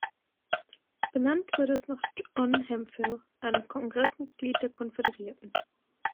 Benannt wurde es nach John Hemphill, einem Kongress-Mitglied der Konföderierten.